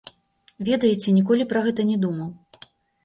Ведаеце, ніколі пра гэта не думаў.